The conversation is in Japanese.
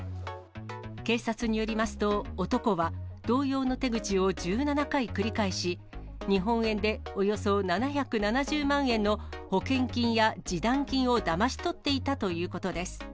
警察によりますと、男は同様の手口を１７回繰り返し、日本円でおよそ７７０万円の保険金や示談金をだまし取っていたということです。